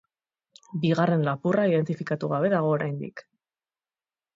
Bigarren lapurra identifikatu gabe dago oraindik.